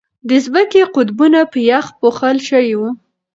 د ځمکې قطبونه په یخ پوښل شوي دي.